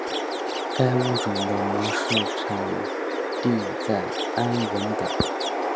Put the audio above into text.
该物种的模式产地在安汶岛。